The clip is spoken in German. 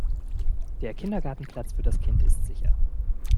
Der Kindergartenplatz für das Kind ist sicher.